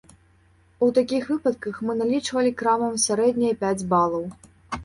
У такіх выпадках мы налічвалі крамам сярэднія пяць балаў.